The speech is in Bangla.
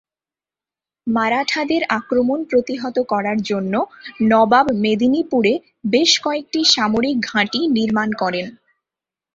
মারাঠাদের আক্রমণ প্রতিহত করার জন্য নবাব মেদিনীপুরে বেশ কয়েকটি সামরিক ঘাঁটি নির্মাণ করেন।